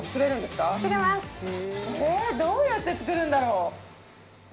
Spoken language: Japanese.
どうやって作るんだろう。